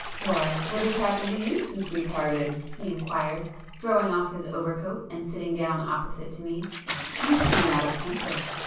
"Why, what has happened to you since we parted?" he inquired, throwing off his overcoat and sitting down opposite to me—"You seem out of temper!